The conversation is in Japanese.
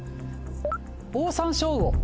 「オオサンショウウオ」。